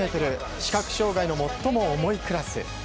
視覚障害の最も重いクラス。